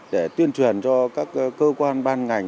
để tuyên truyền cho các cơ quan ban ngành